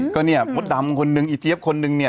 ใช่มดดำคนนึงอีเจี๊ยบคนนึง